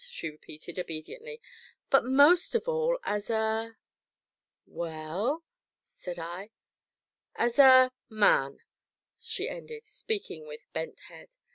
she repeated obediently, "but most of all as a " "Well?" said I. "As a man," she ended, speaking with bent head.